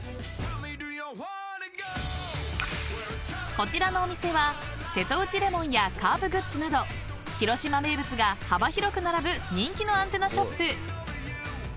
［こちらのお店は瀬戸内レモンやカープグッズなど広島名物が幅広く並ぶ人気のアンテナショップ］